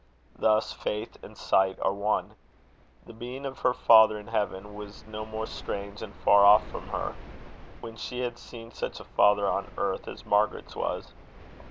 Thus, faith and sight are one. The being of her father in heaven was no more strange and far off from her, when she had seen such a father on earth as Margaret's was.